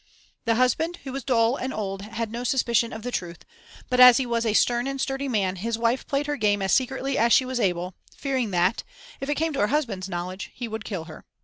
The husband, who was dull and old, had no suspicion of the truth; but, as he was a stern and sturdy man, his wife played her game as secretly as she was able, fearing that, if it came to her husband's knowledge, he would kill her.